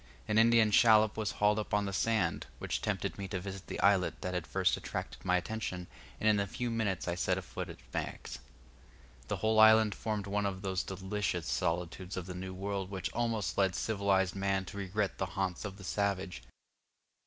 An Indian shallop was hauled up on the sand, which tempted me to visit the islet that had first attracted my attention, and in a few minutes I set foot upon its banks. The whole island formed one of those delicious solitudes of the New World which almost lead civilized man to regret the haunts of the savage.